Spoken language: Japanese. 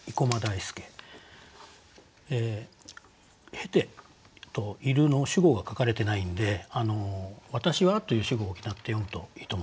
「経て」と「ゐる」の主語が書かれてないんで「私は」という主語を補って読むといいと思うんですよね。